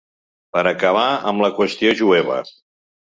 Per acabar amb la qüestió jueva.